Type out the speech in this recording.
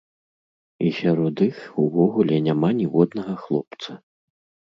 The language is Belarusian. І сярод іх увогуле няма ніводнага хлопца!